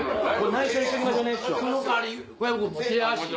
内緒にしときましょうね師匠。